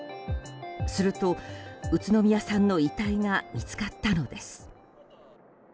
すると宇都宮さんの遺体が見つかったのです。